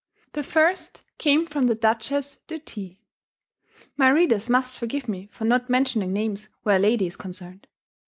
The first came from the Duchess de T . My readers must forgive me for not mentioning names where a lady is concerned.